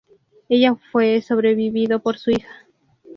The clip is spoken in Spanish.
Ella fue sobrevivido por su hija.